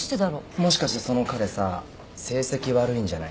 もしかしてその彼さ成績悪いんじゃない？